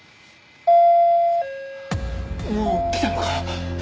もう来たのか！？